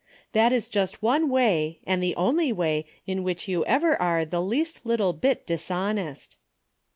That is just one Avay, and the only Avay in Avhich you ever are the least little bit dishonest.